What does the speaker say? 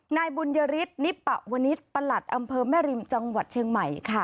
นายบุญยฤทธินิปะวนิษฐ์ประหลัดอำเภอแม่ริมจังหวัดเชียงใหม่ค่ะ